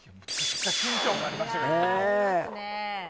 緊張感ありましたね。